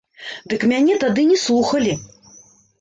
Дык мяне тады не слухалі!